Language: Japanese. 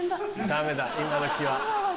ダメだ今どきは。